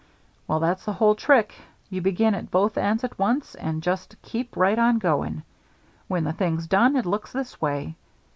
"Well, that's the whole trick. You begin at both ends at once and just keep right on going. When the thing's done it looks this way.